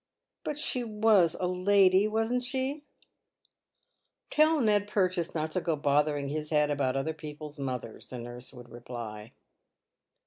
" But she was a lady — wasn't she ?"" Tell Ned Purchase not to go bothering his head about other people's mothers," the nurse would reply.